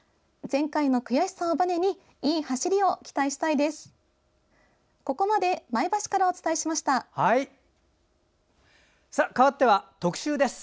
前回の悔しさをばねにいい走りを期待したいです。